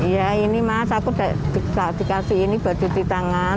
ya ini mas aku dikasih ini buat cuci tangan